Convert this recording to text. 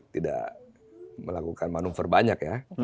tidak melakukan manuver banyak ya